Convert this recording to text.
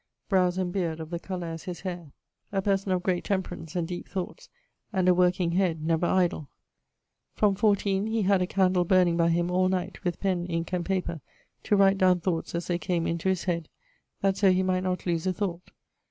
Browes and beard of the colour as his haire. A person of great temperance, and deepe thoughts, and a working head, never idle. From 14 he had a candle burning by him all night, with pen, inke, and paper, to write downe thoughts as they came into his head; that so he might not loose a thought.